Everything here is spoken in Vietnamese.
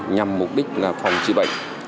nhằm mục đích là phòng trị bệnh